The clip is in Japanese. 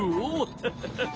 ハハハハ。